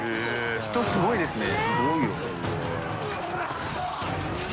人すごいですね。